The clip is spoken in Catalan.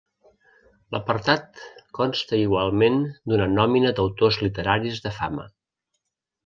L'apartat consta igualment d'una nòmina d'autors literaris de fama.